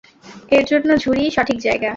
এরজন্য ঝুড়িই সঠিক জায়গা।